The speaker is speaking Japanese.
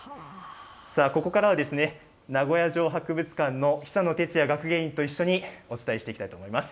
ここからは名護屋城博物館の久野哲也学芸員と一緒にお伝えしていきたいと思います。